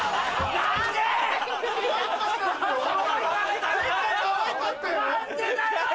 何でだよ！